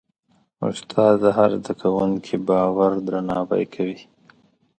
استاد د هر زده کوونکي باور درناوی کوي.